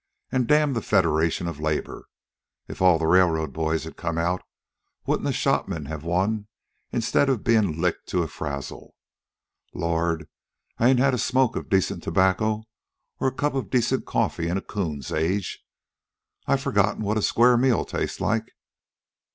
An' damn the Federation of Labor! If all the railroad boys had come out, wouldn't the shop men have won instead of bein' licked to a frazzle? Lord, I ain't had a smoke of decent tobacco or a cup of decent coffee in a coon's age. I've forgotten what a square meal tastes like.